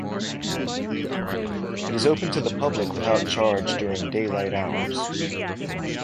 It is open to the public without charge during daylight hours.